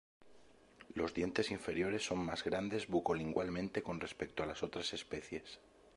Los dientes inferiores son más grandes buco-lingualmente con respecto a las otras especies.